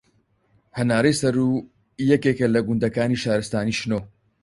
هەنارەی سەروو یەکێکە لە گوندەکانی شارستانی شنۆ